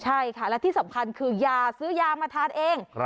ใช่ค่ะและที่สำคัญคือยาซื้อยามาทานเอง